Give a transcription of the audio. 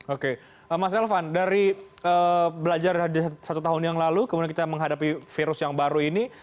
oke mas elvan dari belajar dari satu tahun yang lalu kemudian kita menghadapi virus yang baru ini